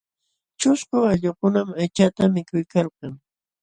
Ćhusku allqukunam aychata mikuykalkan.